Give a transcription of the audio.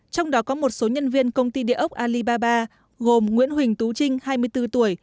trong đó có một số nhân viên công ty địa ốc alibaba gồm nguyễn huỳnh tú trinh hai mươi bốn tuổi